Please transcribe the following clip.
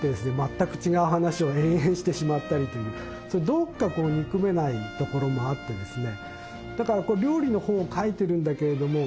どこか憎めないところもあってですね。